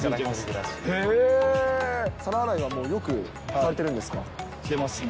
皿洗いはよくされてるしてますね。